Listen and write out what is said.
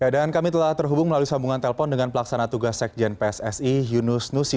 dan kami telah terhubung melalui sambungan telpon dengan pelaksana tugas sekjen pssi yunus nusi